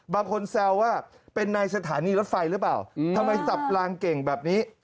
แซวว่าเป็นในสถานีรถไฟหรือเปล่าทำไมสับลางเก่งแบบนี้